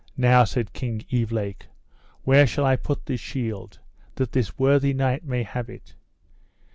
Now, said King Evelake, where shall I put this shield, that this worthy knight may have it?